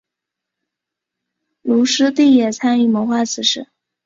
卢师谛也参与谋划此事。